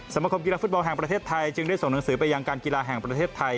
สมคมกีฬาฟุตบอลแห่งประเทศไทยจึงได้ส่งหนังสือไปยังการกีฬาแห่งประเทศไทย